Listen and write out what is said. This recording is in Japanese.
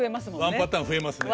ワンパターン増えますね。